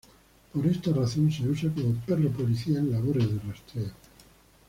Por esa razón se usa como perro policía en labores de rastreo.